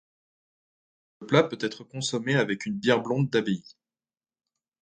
Le plat peut être consommé avec une bière blonde d'abbaye.